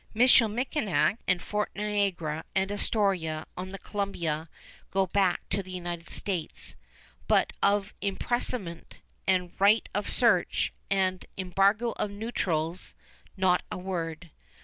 Michilimackinac and Fort Niagara and Astoria on the Columbia go back to the United States; but of "impressment" and "right of search" and "embargo of neutrals" not a word.